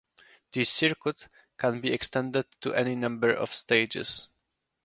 This circuit can be extended to any number of stages.